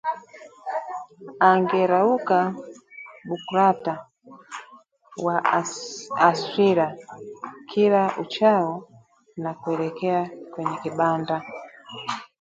Angerauka bukrata wa aswila kila uchao na kuelekea kwenye kibanda